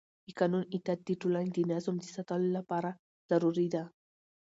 د قانون اطاعت د ټولنې د نظم د ساتلو لپاره ضروري دی